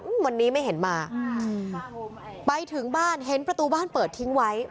อืมวันนี้ไม่เห็นมาอืมไปถึงบ้านเห็นประตูบ้านเปิดทิ้งไว้